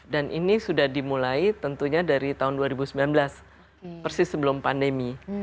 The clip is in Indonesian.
dan ini sudah dimulai tentunya dari tahun dua ribu sembilan belas persis sebelum pandemi